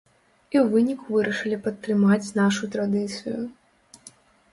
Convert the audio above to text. І ў выніку вырашылі падтрымаць нашу традыцыю.